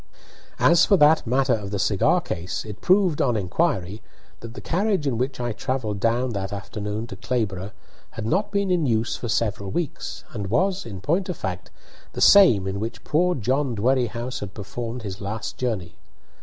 As for that matter of the cigar case, it proved, on inquiry, that the carriage in which I travelled down that afternoon to Clayborough had not been in use for several weeks, and was, in point of fact, the same in which poor John Dwerrihouse had performed his last journey.